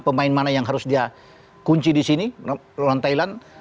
pemain mana yang harus dia kunci di sini